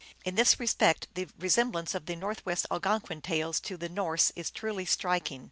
In this respect the resemblance of the Northwest Algonquin tales to the Norse is truly strik ing.